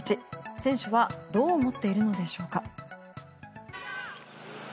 選手はどう思っているのでしょうか。